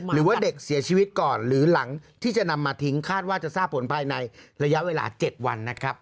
หรือว่าเด็กเสียชีวิตก่อนหรือหลังที่จะนำมาทิ้งคาดว่าจะทราบผลภายในระยะเวลา๗วันนะครับ